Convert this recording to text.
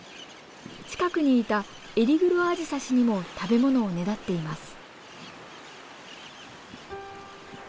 近くにいたエリグロアジサシにも食べ物をねだっています。